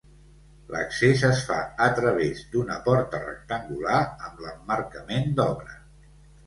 L'accés es fa a través d'una porta rectangular amb l'emmarcament d'obra.